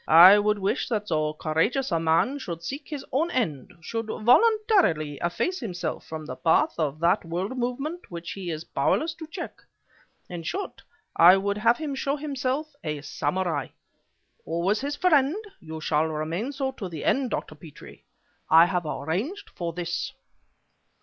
I would wish that so courageous a man should seek his own end, should voluntarily efface himself from the path of that world movement which he is powerless to check. In short, I would have him show himself a samurai. Always his friend, you shall remain so to the end, Dr. Petrie. I have arranged for this."